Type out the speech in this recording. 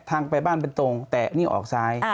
ทางไปบ้านเป็นตรงแต่นี่ออกซ้าย